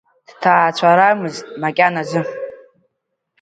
Дҭаацәарамызт макьаназы.